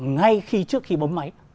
ngay trước khi bấm máy